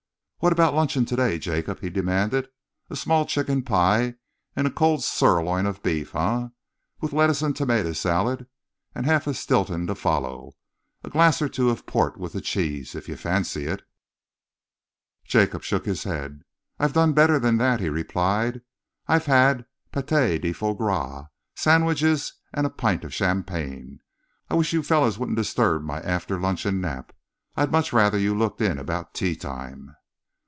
"What about luncheon to day, Jacob?" he demanded. "A small chicken pie and a cold sirloin of beef, eh, with lettuce and tomato salad, and half a stilton to follow. A glass or two of port with the cheese, if you fancy it." Jacob shook his head. "I've done better than that," he replied. "I've had pâté de foie gras sandwiches and a pint of champagne. I wish you fellows wouldn't disturb my after luncheon nap. I'd much rather you looked in about tea time."